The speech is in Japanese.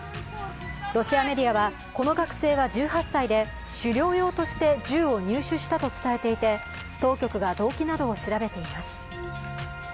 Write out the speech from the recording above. ロシアメディアは、この学生は１８歳で狩猟用として銃を入手したと伝えていて当局が動機などを調べています。